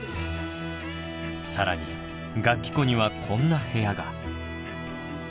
更に楽器庫にはこんな部屋が。